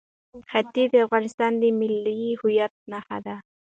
ښتې د افغانستان د ملي هویت نښه ده.